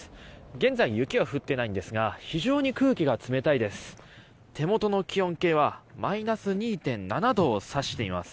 現在、雪は降っていないんですが非常に空気が冷たいです。